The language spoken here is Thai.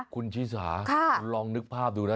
คุณชิสาคุณลองนึกภาพดูนะ